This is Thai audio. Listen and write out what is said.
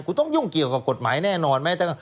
คุณต้องยุ่งเกี่ยวกับกฎหมายแน่นอนไหม